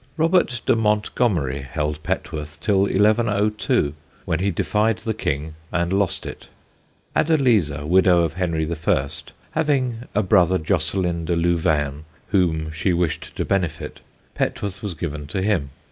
Robert de Montgomerie held Petworth till 1102, when he defied the king and lost it. Adeliza, widow of Henry I., having a brother Josceline de Louvaine whom she wished to benefit, Petworth was given to him.